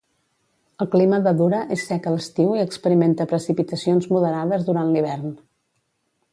El clima de Dura és sec a l'estiu i experimenta precipitacions moderades durant l'hivern.